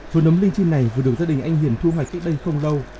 phần nấm ninh chi này vừa được gia đình anh hiền thu hoạch đến đây không lâu